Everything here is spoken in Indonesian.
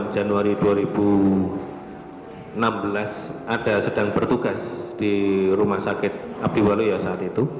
januari dua ribu enam belas ada sedang bertugas di rumah sakit abdiwalu ya saat itu